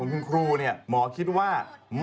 น้องน้องกลัวอย่าไปแจ้งตำรวจดีกว่าเด็ก